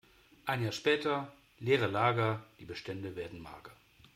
Ein Jahr später: Leere Lager, die Bestände werden mager.